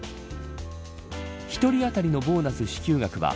１人当たりのボーナス支給額は